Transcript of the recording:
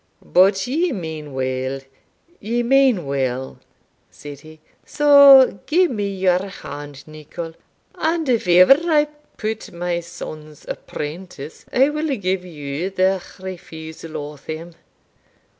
"But ye mean weel ye mean weel," said he; "so gie me your hand, Nicol, and if ever I put my sons apprentice, I will gie you the refusal o' them.